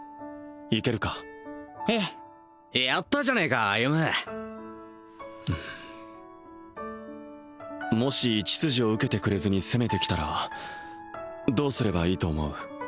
いけるかええやったじゃねえか歩もし１筋を受けてくれずに攻めてきたらどうすればいいと思う？